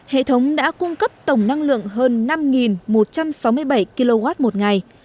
hệ thống đã cung cấp tổng năng lượng hơn năm một trăm sáu mươi bảy kw một ngày